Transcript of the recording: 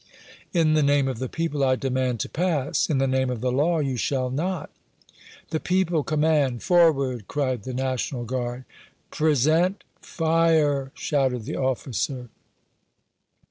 "In the name of the people, I demand to pass!" "In the name of the Law, you shall not!" "The people command! Forward!" cried the National Guard. "Present! Fire!" shouted the officer.